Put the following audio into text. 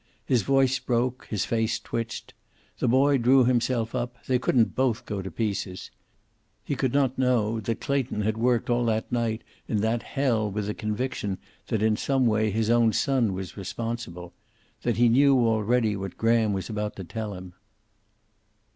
His voice broke, his face twitched. The boy drew himself up; they couldn't both go to pieces. He could not know that Clayton had worked all that night in that hell with the conviction that in some way his own son was responsible; that he knew already what Graham was about to tell him.